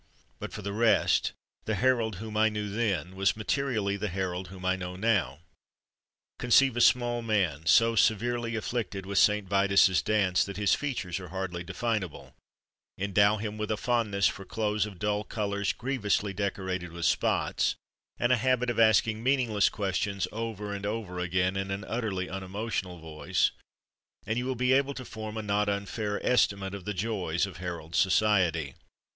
But for the rest, the Harold whom I knew then was materially the Harold whom I know now. Conceive a small man so severely afflicted with St. Vitus's dance that his features are hardly definable, endow him with a fondness for clothes of dull colours grievously decorated with spots, and a habit of asking meaningless questions over and over again in an utterly unemotional voice, and you will be able to form a not unfair estimate of the joys of Harold's society.